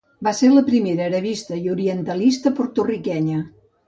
Va ser la primera arabista i orientalista porto-riquenya.